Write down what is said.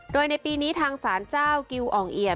โดยในปีนี้ทางศาลเจ้ากิวอ่องเอียด